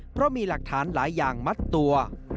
เพราะมีหลักฐานหลายอย่างมัดตัว